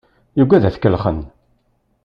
Yugad ad t-kellxen.